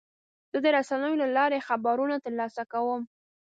زه د رسنیو له لارې خبرونه ترلاسه کوم.